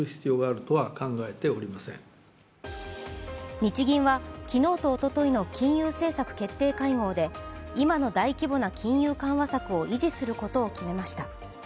日銀は昨日とおとといの金融政策決定会合で今の大規模な金融緩和策を維持することを決めました。